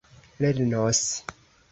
lernos